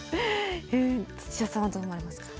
土田さんはどう思われますか？